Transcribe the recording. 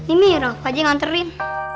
ini rafa aja yang nganterin